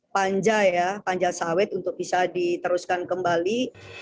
panja ya panja sawit untuk bisa diteruskan kembali